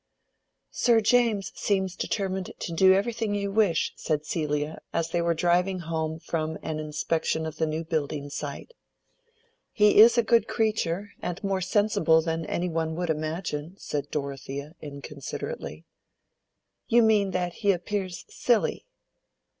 "Sir James seems determined to do everything you wish," said Celia, as they were driving home from an inspection of the new building site. "He is a good creature, and more sensible than any one would imagine," said Dorothea, inconsiderately. "You mean that he appears silly."